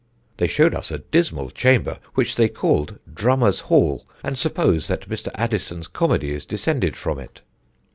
They showed us a dismal chamber which they called Drummer's hall, and suppose that Mr. Addison's comedy is descended from it.